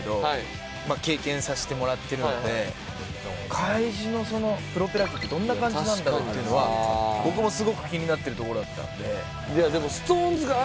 海自のプロペラ機ってどんな感じなんだろうってのは僕もすごく気になってるところだったんで。